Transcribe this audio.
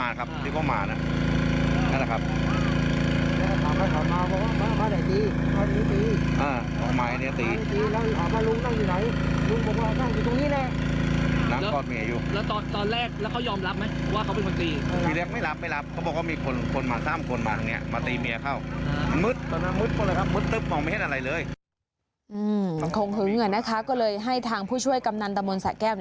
แย่งถึงเหงื่อก็เลยให้ทางผู้ช่วยกำนันตร์ตำนวนสระแก้ว